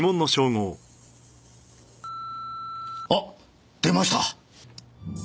あっ出ました！